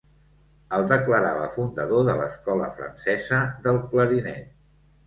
El declarava fundador de l'Escola francesa del clarinet.